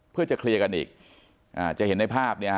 เพื่อจะเคลียร์กันอีกจะเห็นในภาพเนี่ยฮ